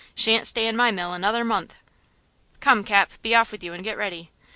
Shan't stay in my mill another month! Come, Cap, be off with you and get ready!"